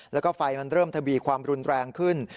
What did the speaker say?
แล้วก็ไฟมันเริ่มทวีความรุนแรงขึ้น